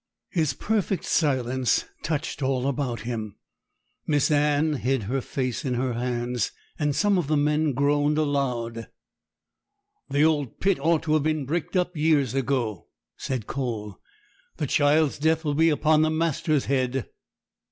His perfect silence touched all about him. Miss Anne hid her face in her hands, and some of the men groaned aloud. 'The old pit ought to have been bricked up years ago,' said Cole; 'the child's death will be upon the master's head.'